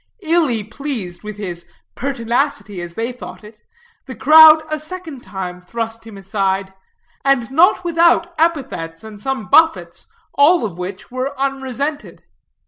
Illy pleased with his pertinacity, as they thought it, the crowd a second time thrust him aside, and not without epithets and some buffets, all of which were unresented.